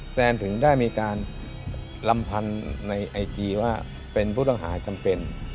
แซนถึงได้มีการลำพันธ์ในไอจีว่าเป็นผู้ต้องหาจำเป็น